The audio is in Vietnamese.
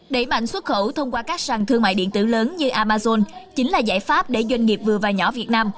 đẩy mạnh xuất khẩu thông qua các sàn thương mại điện tử lớn như amazon chính là giải pháp để doanh nghiệp vừa và nhỏ việt nam